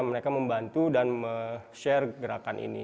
mereka membantu dan share gerakan ini